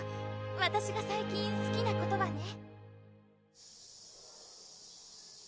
わたしが最近すきなことはね